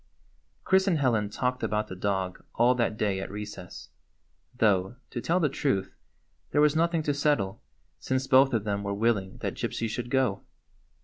Chris and Helen talked about the dog all that day at recess; though, to tell the truth, there was nothing to settle, since both of them were willing that Gypsy should go.